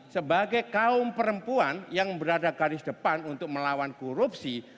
sebagai kaum perempuan yang berada garis depan untuk melawan korupsi